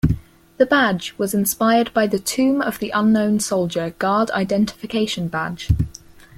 The badge was inspired by the Tomb of the Unknown Soldier Guard Identification Badge.